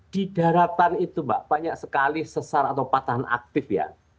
di daratan itu mbak banyak sekali sesar atau patahan aktif ya